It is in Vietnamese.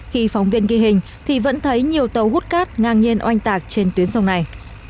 khi phóng viên ghi hình thì vẫn thấy nhiều tàu hút cát ngang nhiên oanh tạc trên tuyến sông này